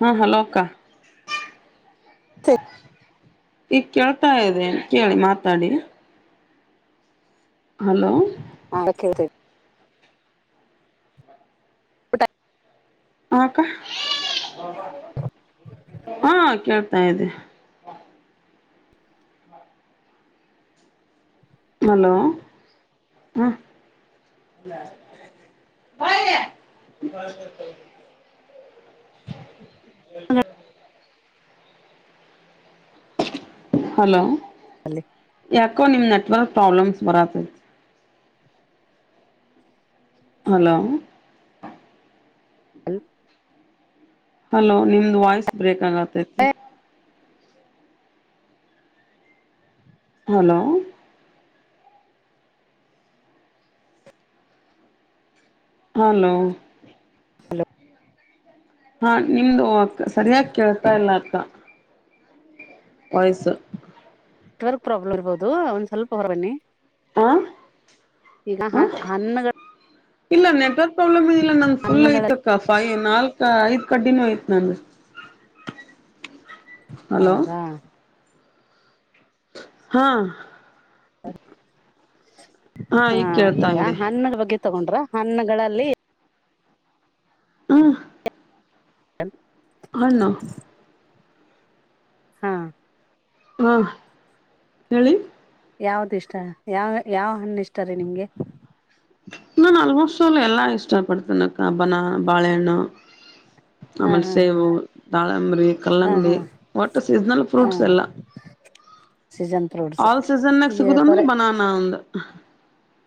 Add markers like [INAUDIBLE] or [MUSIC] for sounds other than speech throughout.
ಹಾ ಹಾಲೋಕ್ಕ ಸರಿ ಈಗ ಕೇಳ್ತಾ ಇದೆ ಕೇಳಿ ಮಾತಾಡಿ ಹಲೋ ಹಾ ಕೇಳ್ತಾ ಟ ಹಕ್ಕ ಹಾ ಕೇಳ್ತಾ ಇದೆ ಹ [UNINTELLIGIBLE] [UNINTELLIGIBLE] ಹಲೋ ಯಾಕೋ ನಿಮ್ ನೆಟ್ವರ್ಕ್ ಪ್ರಾಬ್ಲಮ್ಸ್ ಬರತ್ತತ್ ಹಲೋ ಹಲ್ ಹಲೋ ನಿಮ್ದ್ ವಾಯ್ಸ್ ಬ್ರೇಕ್ ಆಗತೈತಿ ನೆಟ್ವರ್ಕ್ ಹಲೋ ಹಲೋ ಹಾ ನಿಮ್ದು ಅಕ್ಕ ಸರಿಯಾಗಿ ಕೇಳ್ತಾ ಇಲ್ಲಾ ಅಕ್ಕ ವಾಯ್ಸು ನೆಟ್ವರ್ಕ್ ಪ್ರಾಬ್ಲಮ್ ಇರ್ಬಹದು ಒಂದ್ ಸ್ವಲ್ಪ ಹೊರಬನ್ನಿ ಹಾ ಈಗ ಹಾ ಹ್ಣ ಇಲ್ಲ ನೆಟ್ವರ್ಕ್ ಪ್ರಾಬ್ಲಮ್ ಇದಿಲ್ಲ ನನ್ ಫುಲ್ ಹಣ್ಣುಗಳ ಐತಕ್ಕ ಫೈಏನ್ ನಾಲ್ಕ ಐದ್ ಕಡ್ಡಿನೂ ಆಯ್ತ್ ನನ್ ಹೌದಾ ಹಾ ಹಾ ಈಗ ಕೇಳ್ತಾ ಈಗ ಇದೆ ಹನ್ನರ ಬಗ್ಗೆ ತಗೊಂಡ್ರ ಹಣ್ಣಗಳಲ್ಲಿ ಹ ಹ ಹಣ್ಣು ಹಾ ಹಾ ಹೇಳಿ ಯಾವ್ದ ಇಷ್ಟ ಯಾವ ಯಾವ ಹಣ್ಣು ಇಷ್ಟ ರೀ ನಿಂಗೆ ನಾ ಆಲ್ಮೋಸ್ಟ್ ಅವ ಎಲ್ಲಾ ಇಷ್ಟ ಪಡ್ತೇನಕ್ಕ ಹಬ್ಬನ ಬಾಳೆಹಣ್ಣು ಹಾ ಆಮೇಲೆ ಹಾ ಹಾ ಸೇವು ದಾಳಂಬಿ ಹಾ ಕಲ್ಲಂಗಡಿ ಹಾ ಒಟ್ಟ ಸೀಸ್ನಲ್ ಫ್ರೂಟ್ಸ್ ಎಲ್ಲ ಸೀಜನ್ ಆಲ್ ಸೀಸನ್ಗ ಸಿಗುದ ಅಂದ್ರೆ ಬನಾನ ಅಂದ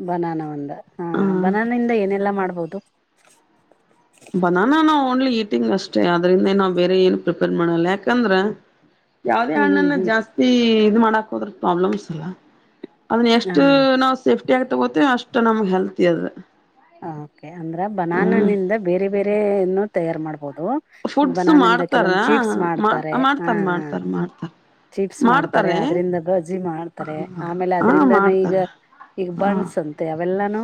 ಬನಾನ ಒಂದ ಹಾ ಬನಾನಿಂದ ಏನೆಲ್ಲಾ ಮಾಡ್ಬೋದು ಬನಾನ ನಾ ಓನ್ಲಿ ಈಟಿಂಗ್ ಅಷ್ಟೇ ಅದ್ರಿಂದ ನಾವ್ ಬೇರೆ ಏನು ಪ್ರಿಪೇರ್ ಮಾಡಲ್ಲ ಯಾಕಂದ್ರ ಹ ಯಾವದೇ ಹಣ್ಣನ್ನ ಜಾಸ್ತಿ ಇ ಮಾಡಾಕ್ ಹೋದ್ರ ಪ್ರಾಬ್ಲಮ್ಸ್ ಇಲ್ಲ ಅದನ್ನ ಹಾ ಎಷ್ಟು ನಾವು ಸೇಫ್ಟಿ ಆಗ ತಗೋತವಿ ಅಷ್ಟ್ ನಮಗ್ ಹೆಲ್ತಿ ಅದ ಹ ಕೆ ಅಂದ್ರ ಬನಾನನಿಂದ ಬೇರೆ ಬೇರೆನ್ನು ತಯಾರು ಮಾಡ್ ಬದು ಈಗ ಫುಡ್ಸ್ ಬನಾನಿಂದ ಮಾಡ್ತಾರ ಕೆಲವೊಂದು ಚೀಪ್ಸ್ ಮಾಡ್ ಮಾಡ್ತಾರೆ ಹ ಮಾಡ್ತಾರ ಹ ಮಾಡ್ತಾರ ಮಾಡ್ತಾರ ಚಿಪ್ಸ್ ಮಾಡ್ತಾರೆ ಅದ್ರಿಂದ ಬಜಜಿ ಮಾಡ್ತಾರೆ ಆಮೇಲೆ ಹಾ ಅದ್ರಿಂದಾನ ಈಗ ಮಾಡ್ತಾರ ಈಗ ಹಾ ಬಂಡ್ಸ್ ಅಂತೆ ಅವೆಲ್ಲಾನೂ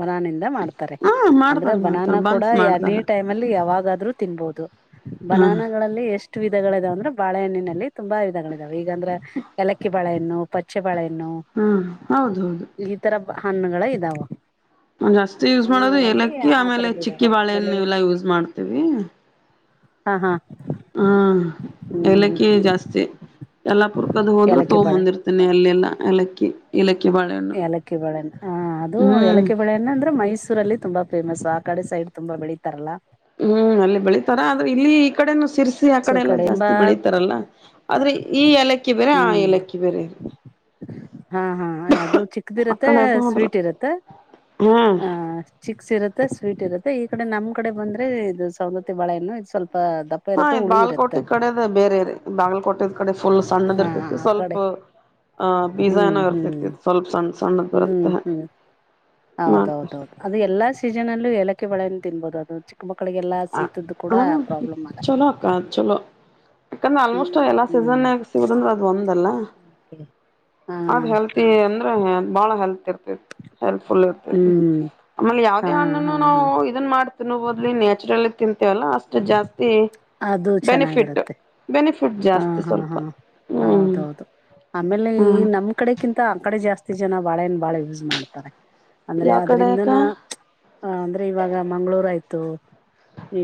ಮನಾನಿಂದ ಮಾಡ್ತಾರೆ ಹಾ ಅಂದ್ರೆ ಮಾಡ್ತಾರ ಮಾಡ್ತಾರ ಬನಾನಾ ಬನ್ಸ್ ಕೂಡನಿ ಮಾಡ್ತಾರ ಟೈಮ್ ಅಲ್ಲಿ ಯಾವಾಗಾದ್ರೂ ತಿನ್ಬಹದು ಹಾ ಬನಾನಗಳಲ್ಲಿ ಎಷ್ಟು ವಿಧಗಳ ಇದಾವ ಅಂದ್ರೆ ಬಾೆಹಣ್ಣಿನಲ್ಲಿ ತುಂಬ ವಿಧಗಳ ಇದಾವ ಈಗಂದ್ರೆ ಎಲಕ್ಕಿ ಬಾೆಹಣ್ಣು ಪಚ್ಚೆ ಬಳೆನು ಹಾ ಹೌದೌದು ಈ ತರ ಹಣ್ಣುಗಳ ಇದಾವ ಜಾಸ್ತಿ ಯೂಸ್ ಮಾಡೋದು ಹಣ್ಣುಗಳಲ್ಲಿ ಏಲಕ್ಕಿ ಆ ಆಮೇಲೆ ತರದ್ದಿದಾವ ಚಿಕ್ಕಿ ಆಮೇಲೆ ಬಾಳೆನ್ನ ಎಲ್ಲಾ ಯೂಸ್ ಮಾಡ್ತೀವಿ ಹಾ ಹಾ ಹೂ ಹ್ಮ್ ಎಲಕ್ಕಿ ಜಾಸ್ತಿ ಎಲ್ಲಾ ಪುರ್ಕದ ಹೋದ್ರೆ ಏಲಕ್ಕಿ ಬಾಳೆ ತಗೊಂಬಂದಿರ್ತೇನೆ ಅಲ್ಲೆಲ್ಲಾ ಎಲಕ್ಕಿ ಇಲಕ್ಕಿ ಲಕ್ಕಿ ಬಳೆಣ್ಣ ಹ ಅದು ಹ್ಮ್ ಲಕ್ಕಿ ಬಳೆಣ್ಣ ಅಂದ್ರೆ ಮೈಸೂರಲ್ಲಿ ತುಂಬಾ ಫೇಮಸ್ ಆ ಕಡೆ ಸೈಡ್ ತುಂಬಾ ಬೆಳಿತಾರಲ್ಲಾ ಹೂ ಅಲ್ಲಿ ಬೆಳಿತಾರ ಆದ್ರೆ ಇಲ್ಲಿ ಈ ಕಡೆ. ಸಿರ್ಸಿ ಆ ಕಡೆ ಮೈಸೂರ್ ಎಲ್ಲಾ ತುಂಬಾ ಜಾಸ್ತಿ ಬೆಳೀಿತಾರಲ್ಲ ಆದ್ರೆ ಈ ಎಲೆ. ಕ್ಕಿ ಬೇರೆ ಆ ಹ್ಮ್ ಏಲಕ್ಕಿ ಬೇರೆರಿ. ಹಾ ಹಾ ಅದು ಚಿಕ್ಕದಿರತ್ತೆ ಅಕ್ಕಡೆ ಅದು ಹೋದ್ರು ಸ್ವೀಟ್ ಇರತ್ತೆ. ಹ್ಮ್ ಹ ಚಿಕ್ಸ್ ಇರತ್ತೆ. ಮತ್ತ ಸ್ವೀಟ್ ಇರುತ್ತೆ ಈ ಕಡೆ ನಮ್ ಕಡೆ ಬಂದ್ರೆ ಇದು ಸೌಂದತಿ ಬಾಳೆಏನ್ನು ಇದು ಸ್ವಲ್ಪ. ದಪ್ಪ ಹಾ ಇರತ್ತೆ ಇ್ ಹುಳಿ ಇರತ್ತೆ ಬಾಗಲ್ಕೋಟೆ ಕಡೆದ ಬೇರೆ ಬಾಗಲಕೋಟೆ ಕಡೆ. ಫುಲ್ ಸಣ್ಣದ ಹಾ ಇರ್ತೈತಿ ಆ ಸ್ವಲ್ಪ ಕಡೆ ಆ್ ಬೀಜ ಏನೋ ಇರ್ತೈತಿ ಸ್ವಲ್ಪ ಸಣ್ಣ. ಸಣ್ಣದ ಹೂ ಬರುತ್ತೆ ಹೂ ಮಾಡ್ತಾರೆ ಹೌದೌದೌದು ಅದು ಎಲ್ಲಾ ಸೀಸನ್ ಅಲ್ಲೂ ಏಲಕ್ಕಿ ಬಾಳೆ ತಿನ್ಬಹುದು ಅದು ಚಿಕ್ಕ. ಮಕ್ಕಳಿಗೆಲ್ಲಾ ಹ ಶೀತದ್ದು ಕೂಡ ಹ ಪ್ರಾಬ್ಲಮ್ ಆಗಲ್ಲ ಚಲೋ ಅಕ್ಕಾ ಚಲೋ. ಯಾಕಂದ್ರೆ ಆಲ್ಮೋಸ್ಟ್ ಹ್ಮ್ ಎಲ್ಲಾ ಹ್ಮ್ ಸೀಸನ್ೇ ಸಿಗುದಂದ್ರ ಅ್ ಒಂದಲ್ಲ. ಹಾ ಅದ್ ಹೆಲ್ತಿ ಅಂದ್ರೆ ಬಾಳ ಹೆಲ್ತ್ ಇರ್ತತಿ. ಹೆಲ್ಪ್ಫುಲ್ ಇರ್ತೈತಿ ಹ್ಮ್ ಆಮೇಲೆ ಹಾ ಯಾವ್ದೇ ಹಾ ಹಣ್ಣನ್ನುನು ನಾವು ಹಾ ಇದನ್ ಮಾಡ್ ತಿಂಬೋದು ತಿಂತೇವಲ್ಲ ಅಷ್ಟು ಜಾಸ್ತಿ. ಅದು ಬೆನಿಫಿಟ್ ಚೆನ್ನಾಗಿರುತ್ತೆ ಬೆನಿಫಿಟ್ ಹಾ ಜಾಸ್ತಿ ಹಾ ಸ್ವಲ್ಪ ಹಾ ಹೂ ಹೌದೌದು ಆಮೇಲೆ ಈ ನಮ್ ಕಡೆಗಿಂತ ಆ ಕಡೆ ಜಾಸ್ತಿ ಜನ ಬಾಳೆನ್ ಬಾಳ ಯೂಸ್ ಮಾಡ್ತಾರೆ. ಅಂದ್ರೆ ಯಾವ ಕಡೆ ಅಕ್ಕ ಅದ್ರಿಂದನ ಅಂದ್ರೆ ಇವಾಗ ಮಂಗ್ಗಳೂರ್ ಆಯ್ತು.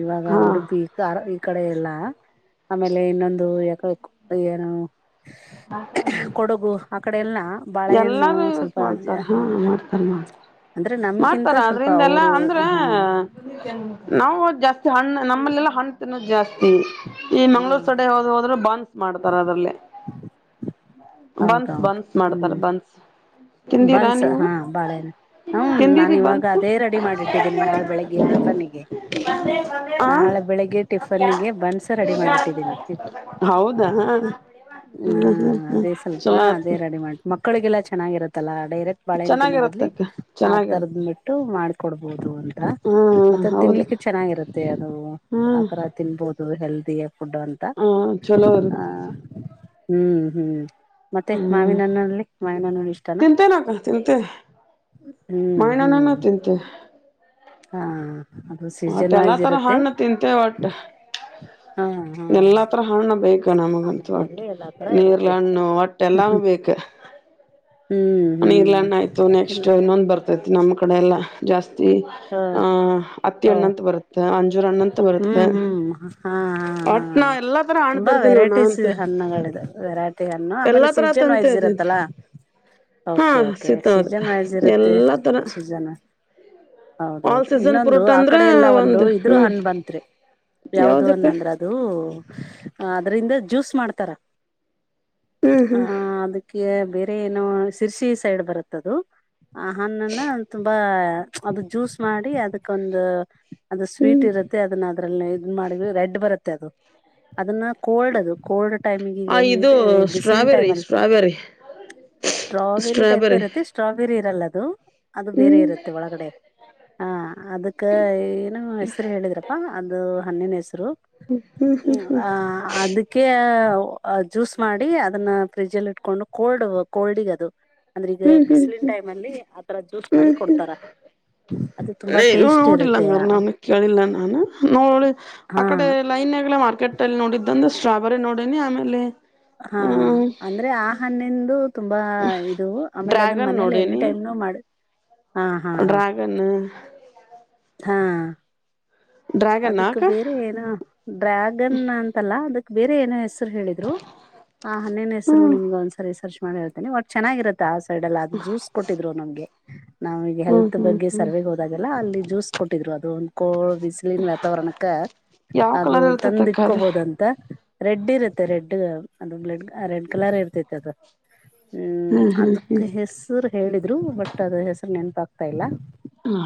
ಇವಾಗ ಹಾ ಉಡುಪಿ ಈ ಕಡೆ ಎಲ್ಲ. ಆಮೇಲೆ ಇನ್ನೊಂದು ಯಾಕ ಏನು. ಕೊಡಗು ಆ ಕಡೆ ಎಲ್ಲ ಬಾಳೆಹಣ್ಣು ಎಲ್ಲಾರು ಯೂಸ್ ಸ್ವಲ್ಪ ಜ ಮಾಡ್ತಾರ ಹಾ ಮಾಡ್ತಾರ ಮಾಡ್ತಾರ. ಅಂದ್ರೆ ನಮ್ಗಿಂತ ಮಾಡ್ತಾರ ಸ್ವಲ್ಪ ಅದ್ರಿಂದ ಎಲ್ಲ ಅವರು ಅಂದ್ರ ಹ್ಮ ನಾ ಜಾಸ್ತಿ ಹಣ್ಣ ನಮ್ಮಲ್ಲೆಲ್ಲಾ ಹಣ್ ತಿನ್ನುೋದು ಜಾಸ್ತಿ ಈ ಹ ಮಂಗ್ಗಳೂರ್ ಸಡೆ ಹೋದ್ ಹೋದ್ರು ಬ ಮಾಡ್ತಾರ ಅದ್ರಲ್ಲೇ ಬನ್ಸ್ ಬನ್ಸ್ ಮಾಡ್ತಾರ ಬನ್ಸ ಬಂಸ ಹಾ ಬಾಳೆ ಹೂ ನಾನ ತಿಂದಿರಿ ಇವಾಗ ಬನ್ಸ್ ಅದೇ ರೆಡಿ ಮಾಡಿಟ್ಟಿದ್ದೀೇನೆ ನಾಳೆ ಬೆಳಗ್ಗೆ ಟಿಫನ್ಿಗೆ ಆ ನಾಳೆ ಬೆಳಿಗ್ಗೆ ಟಿಫನ್ಿಗೆ ಬನ್ಸ ರೆಡಿ ಮಾಡಿಟ್ಟಿದ್ದೀನಿ ಹೌದಾ ಹ್ಮ್ ಹೂ ಹ್ಮ್ ಹ್ಮ್ ಅದೇ ಸ್ವಲ್ಪ ಚಲೋ ಅದೇ ಆಯ್ತು ರೆಡಿ ಮಾಡ್ತ ಮಕ್ಕಳಿಗೆಲ್ಲಾ ಚೆನ್ನಾಗಿರತ್ತಲ್ಲ ಡಕ್ಟ್ ಬಾಳೆ ತಿನ್ನಲಿ ಚೆನ್ನಾಗಿರತ್ತಕ್ಕ ಆ ತರದ ಚೆನ್ನಾಗಿರುತ್ತೆ ಬಿಟ್ಟು ಮಾಡಕೊಡ್ಬಹುದು ಅಂತ ಮ ಹ್ಮ್ ಹೌದು ಲಿಕ್ಕೆ ಚೆನ್ನಾಗಿರುತ್ತೆ ಅದು ಹ್ಮ್ ಆತರ ತಿನ್ಬಹುದು ಹೆಲ್ದಿ ಫುಡ್ಡು ಅಂತ ಹ ಚಲೋ ಇರುತ್ತೆ ಹೂ ಹೂ ಮತ್ತೆ ಮಾವಿನನ್ನಲ್ಲಿ ಮಾವಿನ್ಣ ಇ ತಿಂತೆೇನಕ್ಕ ತಿಂತೆ ಹ್ಮ್ ಹ್ಮ್ ಮಾವಿನಹಣ್ಣು ತಿಂತಾನೆ ಹಾ ಅದು ಮತ್ತೆ ಸೀಸನ್ ಎಲ್ಲಾ ವೈಸ್ ತರ ಇರುತ್ತೆ ಹಣ್ಣು ತಿಂತೆೇ ಒಟ್ಟು ಹಾ ಹಾ ಎಲ್ಲಾತ್ರರ ಹಣ್ಣ ಬೇಕ ನಮಗಂತ ಒಟ್ಟು ಹಣ್ಣುಗಳಲ್ಲಿ ಎಲ್ಲಾ ತರ ನೀರ್ ಇರುತ್ತೆ ಹಣ್ಣು ಹೊಟ್ಟೆ ಎಲ್ಲಾನು ಬೇಕ ಹ್ಮ್ ಹ್ಮ್ ಹ್ಮ್ ಇರ್ಲ್ಲಣ್ಣಯ್ತು ಹ್ಮ್ ಇಲ್ಲ ನೆಕ್ಸ್ಟ್ ಇನ್ನೊಂದ್ ಬರ್ತೈತಿ ನಮ್ಮ್ ಕಡೆ ಎಲ್ಲಾ ಜಾಸ್ತಿ ಹ ಆಹ ಹತ್ತಿ ಹ ಅಣ್ಣಂತ ಬರುತ್ತೆ ಅಂಜೂರ ಅಣ್ಣಂತ ಬರುತ್ತೆ ಹ್ಮ್ ಹ್ಮ್ ಹಾ ಹಾ ಹಾ ಒಟ್ ನಾ ಎಲ್ಲಾ ತರ ಹಣ್ ತುಂಬಾ ತರ್ತೀನಿ ನಾ ವೆರೈಟೀಸ್ ಅಂತ ಹಣ್ಣಗಳಿದ ವೆರೈಟಿ ಹಣ್ಣು ಆಮೇಲೆ ಎಲ್ಲಾ ತರ ಸೀಸನ್ ತಂತೆ ವೈಸ್ ಅದ ಇರತ್ತೆ ಹಾ ೆ ಕೆ ಸಿಗ್ತಾವದಕ್ಕ ಸೀಸನ್ ವೈಸ್ ಇರುತ್ತೆ ಎಲ್ಲಾ ತರ ಸೀಸನ್ ಆಲ್ ಹೌದೌದು ಸೀಸನ್ ಇನ್ನೊಂದು ಫ್ರೂಟ್ ಆ ಅಂದ್ರ ಕಡೆ ಎಲ್ಲಾ ಒಂದು ಇದ್ರರು ಹ್ಮ್ ಹನ್ ಬಂತ್ರಿ ಯಾವ್ದ ಯಾವ್ದಕ್ಕ ಅನ್ನಂದ್ರ ಅದು ಅದ್ರಂದ ಜ್ಯೂಸ್ ಮಾಡ್ತಾರ ಹ್ಮ್ ಹ್ಮ್ ಅದಕ್ಕೆ ಶರ್ಸಿ ಸೈಡ್ ಬರುತ್ತದು ಆ ಹಣ್ಣನ್ನ ತುಂಬಾ ಅದು ಜ್ಯೂಸ್ ಮಾಡಿ ಅದಕ್ಕೊಂದು ಅದು ಸ್ವೀಟ್ ಹ್ಮ್ ಇರುತ್ತೆ ಅದನ್ನ ಅದ್ರಲ್ಲಿ ಇದ ಮಾಡ ರೆಡ್ ಬರುತ್ತೆ ಅದು ಅದನ್ನ ಕೋಲ್ಡ್ ಅದು ಕೋಲ್ಡ್ ಟೈಮಿಗೆ ಈಗ ಆ ಇದು ಹೀಟ್ ಬಿಸಿಲಿನ ಟೈಮ್ ಸ್ಟ್ರಾಬೆರಿ ಅಲ್ಲಿ ಸ್ಟ್ರಾಬೆರಿ ಸ್ಟ್ರಾಬೆರಿ ಟೈಪ್ ಇರತ್ತೆ ಸ್ಟ್ರಾಬೆರಿ ಇರಲ್ಲ ಅದು ಬೇರೆ ಹ್ಮ್ ಇರುತ್ತೆ ಒಳಗಡೆ ಹ ಅದಕ್ಕೆ ನ ಹೆಸರು ಹೇಳಿದ್ರಪ್ಪಾ ಅದು ಹಣ್ಣಿನ ಹೆಸರು ಆ ಅದಕ್ಕೆ ಜ್ಯೂಸ್ ಮಾಡಿ ಅದನ್ನ ಫ್ರಿಜ್ ಅಲ್ಲಿ ಇಟ್ಕೊಂಡು ಕೋಲ್ಡ್ ಕೋಲ್ಡಿಗ ಅದು ಅಂದ್ರೆ ಈಗ ಹ್ಮ್ ಹ್ಮ್ ಹ್ಮ್ ಬಿಸಿಲಿನ ಟೈಮ್ ಅಲ್ಲಿ ಆತರ ಜ್ಯೂಸ್ ಹ್ಮ್ ಮಾಡಿ ಕೊಡ್ತಾರ ಅದು ತುಂಬಾ ಇದು ಟೇಸ್ಟ್ ಇರುತ್ತೆ ನೋಡಿಲ್ಲಂಗಾರ ನಾನ ಕೇಳಿಲ್ಲ ನಾನು ನೋ ಹಾ ಆಕಡೆ ಲೈನ್ ಆಗ್ಲ ಮಾರ್ ಪಕೆಟ್ಟ ಅಲ್ಲಿ ನೋಡಿದ್ದ್ರೆ ಸ್ಟ್ರಾಬೆರಿ ನೋಡಿನಿ ಆಮೇಲೆ ಹಾ ಹ್ಮ ಅಂದ್ರೆ ಆ ಹಣ್ಣಿಂದು ತುಂಬಾ ಇದು ಆಮೇಲೆ ಅದನ್ ಡ್ರ್ಯಾಗನ್ ಮನೇಲಿ ಎನಿ ಟೈಮ್ನು ಮಾಡ್ ಡ್ರಾಗನ್ನು ಹಾ ಡ್ರ್ಯಾಗನ್ ಅದಕ್ ಅಕ್ಕ ಬೇರೆ ಏನ ಡ್ರ್ಯಾಗನ್ ಅಂತಲ್ಲ ಅದಕ್ ಬೇರೆ ಏನ ಹೆಸ ಹೇಳಿದ್ರು ಹನ್ನೇನ್ ಹೆಸರು ಹ್ಮ್ ನಿಮಗ ಒಂದ್ರಿ ಸರ್ಚ್ ಮಾಡಿ ಹೇಳ್ತೇಿ ಬಟ್ ಚೆನ್ನಾಗಿರುತ್ತಾ ಸೈಡ್ಲ್ಲ ಅ ಜ್ಯೂಸ್ ಕೊಟ್ಟಿದ್ರು ನಮ್ಗೆ ನಾವ ಈಗ ಹ್ಮ್ ಹೆಲ್ತ್ ಹ್ಮ್ ಬಗ್ಗೆ ಹ್ಮ್ ಸರ್ವೆಗೆ ಹೋದಾಗೆಲ್ಲ ಅಲ್ಲಿ ಜ್ಯೂಸ್ ಕೊಟ್ಟಿದ್ರು ಅದು ಕೋ ಬಿಸಿಲಿನ ವಾತಾವರಣಕ್ಕ ಯಾವ ಅದು ಕಲರ್ ತಂದ್ ಇರ್ತತಕ್ಕ ಅದ ಇಟ್ಕೋಬೋದಂತ ರೆಡ್ ಇರುತ್ತೆ ರೆಡ್ ಅದುಡ್ ರೆಡ್ ಕಲರ್ ಇರ್ತಿೈತಿ ಅದು ಹ್ಮ್ ಅದಕ್ ಹೆಸರು ಹೇಳಿದ್ರು ಬಟ್ ಅದ ಹೆಸರು ನೆನಪಾಗ್ತಾ ಇಲ್ಲ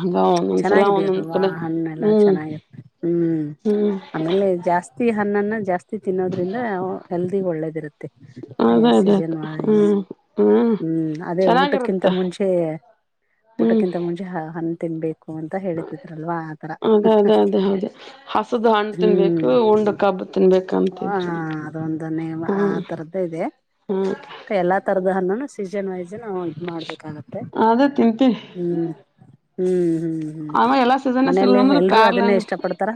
ಹಂಗ ಒಂದೊಂದ್ಸಲ ಚೆನ್ನಾಗಿದೆ ಒಂದೊಂದ್ ಅದುವಾ ಕಡೆ ಹಣ್ಣ ಎಲ್ಲ ಹ್ಮ್ ಚೆನ್ನಾಗಿ ಹ್ಮ್ ಹ್ಮ್ ಆಮೇಲೆ ಜಾಸ್ತಿ ಹಣ್ಣನ್ನ ಜಾಸ್ತಿ ತಿನ್ನೋದ್ರಿಂದ ಹೆಲ್ದಿ ಒಳ್ಳೇದಿರುತ್ತೆ ಅಯ ಅದೇ ಅದೇ ಅಕ್ಕ ಸೀಜನ್ ಹ್ಮ್ ಹ್ಮ್ ಅದೇ ಊಟಕ್ಕಿಂತ ಚೆನ್ನಾಗಿರುತ್ತೆ ಮುಂಚೆ ಹ್ಮ್ ಊಟಕ್ಕಿಂತ ಮುಂಚೆ ಹ ಹಣ್ಣ ತಿನ್ಬೇಕು ಅಂತ ಹೇಳತಿದ್ರಲ್ವಾ ಆತರ ಅ ಅದೇ ಅದೇ ಹೌದೇ ಹಸದು ಹಣ್ಣು ತಿನ್ಬೇಕು ಹ್ಮ್ ಉಂಡು ಕಬ್ಬ ಹ ತಿನ್ಬೇಕಂತಿದ್ರಿ ಅದೊಂದು ಆ ತರದ್ದ ಇದೆ ಎಲ್ಲಾ ತರದ ಸೀಸನ್ ವೈಸ್ ನ ಇ ಮಾಡ್ಬೇಕಾಗತ್ತೆ ಅದೇ ತಿಂತೀವಿ ಹ್ಮ್ ಹ್ಮ್ ಹ್ಮ್ ಹ್ಮ್ ಆಮ ಎಲ್ಲಾ ಸೀಸನ್ ಮನೇಲಿ ಸಿಗುದಂದ್ರೆ ಎಲ್ರುೂ ಅದನ್ನೇ ಪ್ಯಾರ್ಲನ್ ಇಷ್ಟ ಪಡ್ತಾರ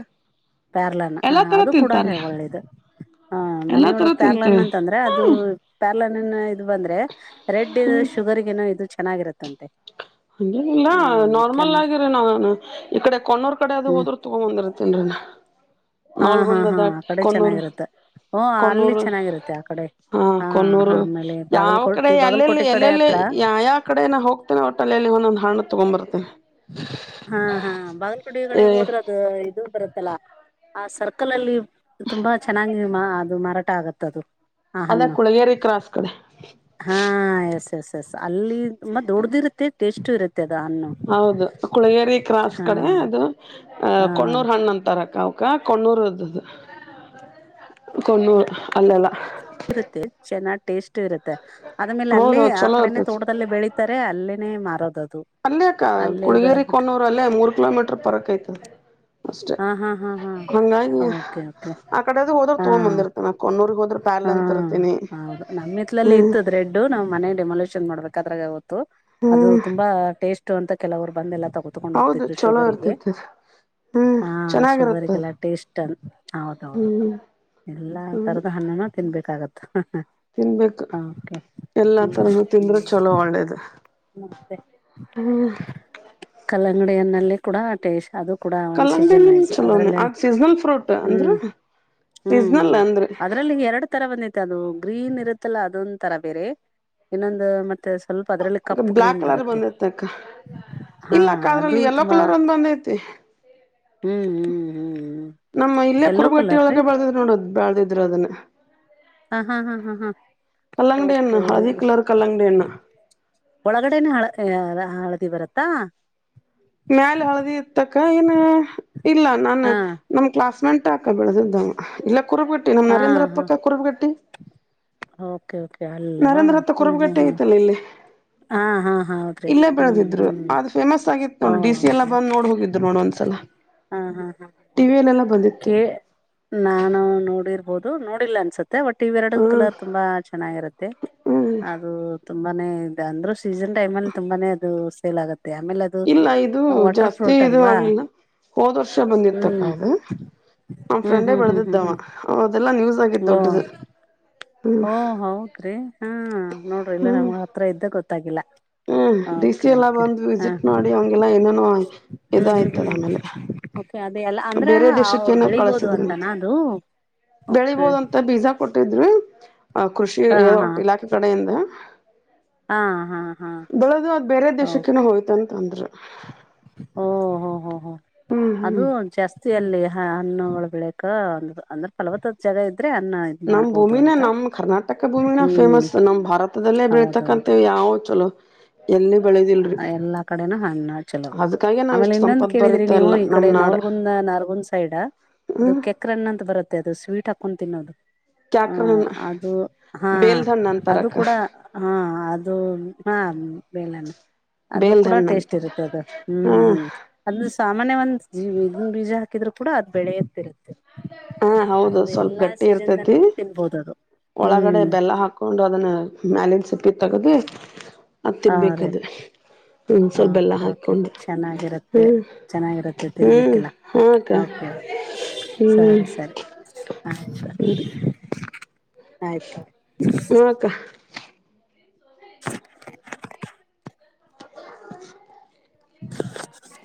ಪ್ಯಾರ್ಲನ ಹ ಎಲ್ಲಾ ತರ ಅದು ಕೂಡ ತಿಂತಾರೆ ಒಳ್ಳೇದು ಹ ಎಲ್ಲಾ ಮನೆಯ ತರ ಒಳಗ್ ಪ್ಯಾರ್ಲನ್ ತಿಂತೇವಿ ಅಂತಂದ್ರೆ ಅದು ಹ್ಮ್ ಪ ಲ ಇದು ಬಂದ್ರೆ ರೆಡ್ ಶುಗರ್ಗಏನೋ ಇದು ಚೆನ್ನಾಗಿರತ್ತಂತೆ ಹಂಗಿ ಇಿಲ್ಲ ಹ್ಮ್ ಕೆಂ ನಾರ್ಮಲ್ ಆಗಿರಿ ನಾ ಈ ಕಡೆ ಕಣ್ಣೂರ್ ಕಡೆ ಅದು ಹ್ಮ್ ಹೋದ್ರರು ತುಂಬಾ ಬಂದರ ತಿನೋಣ ಹಾ ಹಾ ಹಾ ಆ ಕಡೆ ಚೆನ್ನಾಗಿರುತ್ತೆ ಓ ಅಲ್ಲಿ ಕೊಣ್ಣೂರು ಚೆನ್ನಾಗಿರುತ್ತೆ ಆ ಕಡೆ ಹಾ ಹಾ ಕೊನ್ನೂರು ಆಮೇಲೆ ಯಾವ ಕಡೆ ಬಾಗಲಕೋಟೆ ಎಲ್ಲೆಲ್ಲಿ ಬಾಗಲಕೋಟೆ ಕಡೆ ಎಲ್ಲೆಲ್ಲಿ ಹತ್ರ ಯ ಯಾವ ಕಡೆ ನ ಹೋಗ್ತೇನೆ ಹೊಟಲ್ಲಿ ಒಂದೊಂದು ಹಣ ಹಾ ಹಾ ಬಾಗಲಕುಡ ಕಡೆ ಬರ್ತೇನೆ ಹೋದ್ರೆ ಅದು ಇದು ಬರುತ್ತೆ ಲ್ಲ ಆ ಸರ್ಕಲ್ ಅಲ್ಲಿ ತುಂಬಾ ಚೆನ್ನಾಗಿ ಅದು ಮಾರಾಟ ಆಗತ್ತ ಅದು ಆ ಅದ ಹಣ್ಣು ಕುಳಗೇರಿ ಕ್ರಾಸ್ ಕಡೆ ಹಾ ಎಸ್ ಎಸ್ ಎಸ್ ಅಲ್ಲಿ ತು ದೊಡ್ದ ಇರುತ್ತೆ ಟೇಸ್ಟ್ ಇರುತ್ತೆ ಅದು ಹಣ್ಣು ಹೌದು ಕುಳಗೇರಿ ಕ್ರಾಸ್ ಹಾ ಕಡೆ ಅದು ಅಹ ಹಾ ಕಣ್ಣೂರ್ ಹಣ್ಣ ಅಂತರಕ ಅ ಕೊಣ್ಣೂರುದದು ಕೊಣ್ಣೂರು ಅಲ್ಲೆಲ್ಲ ಇರುತ್ತೆ ಚೆನ್ನಾಗ್ ಟೇಸ್ಟ್ ಇರುತ್ತೆ ಆದದ್ಮೇಲೆ ಅಲ್ಲೇ ಹೌದೌದು ಆ ಚಲೋ ಕಡೆನೇ ಇರ್ತೈತಿ ತೋಟದಲ್ಲಿ ಬೆಳತಾರೆ ಅಲ್ಲಿೇ ಮಾರದ ಅಲ್ಲಕ್ಕ ಕುಡಗೇರಿ ಕೊನ್ನೂರ್ ಅಲ್ಲೇ ಮೂರು ಕಿಲೋಮೀಟರ್ ಪರಾಕ್ ಆಗ್ತದೆ ಅಷ್ಟೆ ಹಾ ಹಾ ಹಾ ಹಾ ಹಂಗಾಗಿ ಓಕೆ ಓಕೆ ಆ ಕಡೆ ಹೋದ್ರರು ಹಾ ತೊಗೊಂಡ್ ಬಂದಿರ್ತ ನ ಕೊನ್ನೂರ್ಗ್ ಹೋದ್ರೆ ಪ್ಯಲ್ ಹಾ ಅಂತ ಇರ್ತನಿ ಹ್ಮ್ ಡೆಮಾಲೂಷನ್ ಮಾಡ್ಬೇಕಾದ್ರೆತ್ತು ಅದು ಹ್ಮ್ ತುಂಬಾ ಟೇಸ್ಟ್ ಅಂತ ಕೆಲವ್ರು ಬಂದಿಲ್ಲ ತ ಕೂತ್ಕೊಂಡ್ ಹೌದು ಹೋಗ್ತಿದ್ರು ಚಲೋ ಶುಗರ್ ಗೆ ಇರ್ತೈತಿ ಹ್ಮ್ ಹಾ ಚೆನ್ನಾಗಿರುತ್ತದ ಶುಗರ್ಗೆಲ್ಲ ಟೇಸ್ಟ್ ಅ ಹೌದೌದು ಎಲ್ಲಾ ಹ್ಮ್ ತರದ ಹಣ್ಣನ ತಿನ್ಬೇಕಾಗತ್ತು ತಿನ್ಬೇಕು ಎಲ್ಲಾ ಹ್ಮ್ ತರನೂ ಹ್ಮ್ ತಿಂದ್ರೆ ಚಲೋ ಒಳ್ಳೇದ ಮತ್ತೆ ಹ್ಮ್ ಕಲ್ಲಂಗಡಿಯನ್ನಲ್ಲಿ ಕೂಡ ಆ ಟೇಸ್ ಅದು ಕೂಡ ಒಂದ್ ಸೀಜನ್ ಕಲ್ಲಂಗಡಿನ ಆಯ್ತು ಚಲೋನೆ ಅದ್ರಲ್ಲಿ ಅದ್ ಸೀಸ್ನಲ್ ಫ್ರೂಟ್ ಅಂದ್ರ ಹ್ಮ್ ಹ್ಮ್ ಸೀಸ್ನಲ್ ಹ್ಮ್ ಅಂದ್ರೆ ಅದ್ರಲ್ಲಿ ಎರಡು ತರ ದೈತೆ ಅದು ಗ್ರೀನ್ ಇರುತ್ತಲ್ಲ ಅದೊಂದು ತರ ಬೇರೆ ಇನ್ನೊಂದು ಮತ್ತ ಮತ್ತೆ ಸ್ವಲ್ಪ ಅದರಲ್ಲಿ ಕಪ್ ಬ್ಲ್ಯಾಕ್ ಗ್ರೀನ್ ಕಲರ್ ಬರುತ್ತೆ ಬಂದೈತಕ್ಕ ಹಾ ಇಲ್ಲಕ್ಕ ಅದು ಅದ್ರಲ್ಲಿ ಯೆಲ್ಲೋ ತುಂಬಾ ಕಲರ್ ಒಂದ್ ಬಂದೈತಿ ಹ್ಮ್ ಹ್ಮ್ ಹ್ಮ್ ಹ್ಮ್ ಎಲ್ಲೋ ಕಲರ್ ರೀ ಬಾಳ್ದಿದ್ರು ಅದನ್ನ ಹಾ ಹಾ ಹಾ ಹಾ ಹಾ ಕಲ್ಲಾಂಗಡಿ ಎಣ್ಣ ಓಕೆ ಹಾದಿ ಕಲರ್ ಕಲ್ಲಾಂಗಡಿ ಎಣ್ಣ ಒಳಗಡೆನೆ ಹ ಹಳದಿ ಬರತ್ತಾ ಮ್ಯಾಲ ಹಳದಿ ಇತಕ್ಕ ಏನು ಇಲ್ಲ ನಾನ ಹಾ ನಮ ಕ್ಲಾಸ್ ಮೆಂಟ್ ಹಾಕ ಬೆಳದ್ದ ಇಲ್ಲ ಕುರುಪ ಕಟ್ಟಿ ನಮ್ಮ ಹಾ ಹಾ ನರೇಂದ್ರಪ್ಪಕ್ಕ ಕುರಿಪ ಕಟ್ಟಿ ಓಕೆ ಓಕೆ ಅಲ್ಲ ನರೇಂದ್ರ ಹತ್ರ ಹ್ಮ್ ಹ್ಮ್ ಕುರುಬುಗಟ್ಟೆ ಹ್ಮ್ ಐತಲ್ಲ ಇಲ್ಲಿ ಹಾ ಹಾ ಹೌದ್ರಿ ಇಲ್ಲೇ ಹ್ಮ್ ಬೆಳೆದಿದ್ರು ಹ್ಮ್ ಅದು ಫೇಮಸ್ ಆಗಿತ್ತು ಓ ನೋಡ ಡಿ ಸಿ ಎಲ್ಲ ಹೌದಾ ಬಂದು ನೋಡ್ ಹೋಗಿದ್ರು ನೋಡು ಒಂದ್ಸಲ ಹಾ ಹಾ ಹಾ ಹ ಟಿವಿಯಲ್ಲೆಲ್ಲ ಕ ಬಂದಿತ್ತು ನಾನು ನೋಡಿರ್ಬೋದು ನೋಡಿಲ್ಲ ಅನ್ಸತ್ತೆ ತ್ತ ಒಟ್ಟು ಇವೆರಡು ಹ್ಮ್ ಕಲರ್ ತುಂಬಾ ಚೆನ್ನಾಗಿರುತ್ತೆ ಹ್ಮ್ ಅದು ತುಂಬಾನೇ ಇ ಅಂದ್ರೂ ಸೀಸನ್ ಟೈಮ್ ಅಲ್ಲಿ ತುಂಬಾನೇ ಅದು ಸೇಲ್ ಆಗುತ್ತೆ ಇಲ್ಲ ಇದು ಜಾಸ್ತಿ ಇದು ಅಲ್ವಾ ಆಗ್ಲಿಲ್ಲ ಹೋದ್ ವರ್ಷ ಬಂದಿರ್ತಕ್ಕ ಹ್ಮ್ ನ್ ಹ್ಮ್ ಫ್ರೆಂಡೇ ಹ್ಮ್ ಹ್ಮ್ ಹ್ಮ್ ಬೆಳೆದಿದ್ದವ ಹ್ಮ್ ಅವ ಅದೆಲ್ಲಾ ನ್ಯೂಸ್ ಆಗಿದ್ದ ಓ ದೊಡ್ಡದು ಓ ಹೌದ್ರಿ ಹಾ ನೋಡ್ರಿ ಇಲ್ಲ ನಮ ಹತ್ರ ಇದ್ದ ಗೊತ್ತಾಗಿಲ್ಲ ಹ್ಮ ಡಿ ಸಿ ಓಕೆ ಎಲ್ಲ ಓಕೆ ಬಂದು ಹಾ ವಿಸಿಟ್ ಹ್ಮ್ ಮಾಡಿ ಅವಂಗೆಲ್ಲ ಏನೇನೋ ಹ್ಮ್ ಇದಯ್ತದ ಆಮೇಲೆ ಹ್ಮ್ ಓಕೆ ಅದೇ ಎಲ್ಲ ಅಂದ್ರ ಬೇರೆ ದೇಶಕ್ಕೇನೋ ಬೆಳಿಬೋದು ಅಂತಾನ ಕಳಸಿದ್ರಂತೆ ಅದು ಓಕೆ ಬೆಳಿಬೋದಂತ ಬೀಜಾ ಕೊಟ್ಟಿದ್ರರು ಕೃಷಿ ಹಾ ಹಾ ಒಟ್ಟ ಇಲಾಖೆ ಕಡೆಯಿಂದ ಹಾ ಹಾ ಹಾ ಬೆಳೆದು ಅದ್ ಬೇರೆ ದೇಶಕ್ಕೇನ ಕೆ ಹೋಯ್ತಂತ ಅಂದ್ರು ಓ ಹೋ ಹೋ ಹೋ ಹ್ಮ್ ಅದು ಹ್ಮ್ ಜಾಸ್ತಿ ಅಲ್ಲಿ ಹಾ ಹಣ್ಣ ಒ ಬಿಳಕ್ ಒಂದ್ರ ಅಂದ್ರೆ ಫವ ಜಾಗ ಇದ ನಮ್ ಭೂಮಿನ ನಮ ಕರ್ನಾಟಕ ಭೂಮಿನ ಹ್ಮ್ ಫೇಮಸ್ ನಮ್ ಭಾರತ ದಲ್ಲೇ ಹೌದೌದು ಬೀಳ್ತಕ್ಕಂತವು ಯಾವ ಚಲೋ ಎಲ್ಲಿ ಬೆಳೆದಿಲ್ರಿ ಎಲ್ಲಾ ಕಡೆನೂ ಹಣ್ಣಾಡ್ ಚಲೋವ್ರಿ ಅದಕ್ಕಾಗೆ ನಾವ್ ಆಮೇಲೆ ಇಷ್ಟ್ ಇನ್ನೊಂದ ಸಂಪತ್ ಕೇಳಿದ್ರಿ ಬರುತ್ತೆ ನೀವು ಎಲ್ಲ ಈ ನಮ್ ಕಡೆ ನಾಡ ನವಲ್ಗುಂದ್ ನಾರ್ಗುಂದ್ ಸೈಡ್ ಅದು ಹ್ಮ್ ಕೆಕ್ರಣ್ಣ ಅಂತ ಬರುತ್ತೆ ಅದು ಸ್ವೀಟ್ ಹಾಕೊಂಡು ತಿನ್ನೋದು ಕ ಹ ಕೇ [INAUDIBLE] ಅದು ಹಾ ಅದು ಕೂಡ ಹಾ ಅದು ಹಾ ಬೇಳ ಅದು ಬೇಲ್ದ ಕೂಡ ಹಣ್ಣ ಟೇಸ್ಟ್ ಅಂತಾರ ಇರುತ್ತೆ ಅದು ಹ್ಮ್ ಹಾ ಹ್ಮ್ ಅ್ರ ಸಾಮಾನ್ಯ ಒಂದ್ ಜೀ ಇದನ್ ಬೀಜ ಹಾಕಿದ್ರು ಕೂಡ ಅದ್ ಬೆಳೆಯತಿ ಇರುತ್ತೆ ಹಾ ಹೌದು ಸ್ವಲ್ಪ ಗಟ್ಟಿ ಇರ್ತತಿ ಸೀಸನ್ದಲ್ಲೂ ತಿನ್ಬೋದು ಅದು ಒಳಗಡೆ ಹ್ಮ್ ಬೆಲ್ಲ ಹಾಕೊಂಡು ಅದನ್ನ ಮ್ಯಾಲಿನ ಸಿಪ್ಪಿ ತೆಗೆದು ಹ ತಿನ್ಬೇಕದು ಹ್ಮ್ ಸ್ವಲ್ಪ ಬೆಲ್ಲ ಕೆ ಕೆ ಹಾಕೊಂಡು ಚೆನ್ನಾಗಿರುತ್ತೆ ಹ್ಮ್ ಚೆನ್ನಾಗಿರುತ್ತೆ ಹ್ಮ್ ಹಾ ಅಕ್ಕ ತಿನ್ಲಿಕ್ಕಿಲ್ಲಕ ಸರಿ ಹ್ಮ್ ಸರಿ ಆಯ್ತು ಸರಿ ಆಯ್ತು ಹ್ಞೂ ಅಕ್ಕ ಇಲ್ಲ [INAUDIBLE] ಇಲ್ಲ [INAUDIBLE]